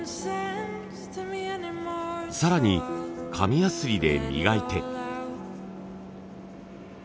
更に紙やすりで磨いて。